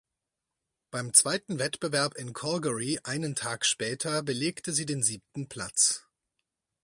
Beim zweiten Wettbewerb in Calgary einen Tag später belegte sie den siebten Platz.